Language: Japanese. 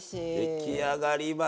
出来上がりました。